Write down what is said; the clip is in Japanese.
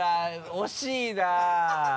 惜しいな。